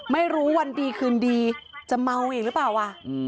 ไม่รู้วันดีคืนดีจะเมาอีกหรือเปล่า